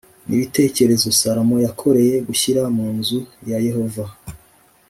n ibitereko Salomo yakoreye gushyira mu nzu ya yehova